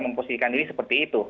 mempositikan diri seperti itu